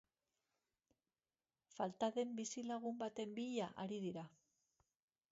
Falta den bizilagun baten bila ari dira.